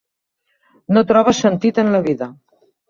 No troba sentit en la vida.